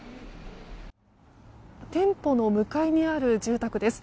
店舗の向かいにある住宅です。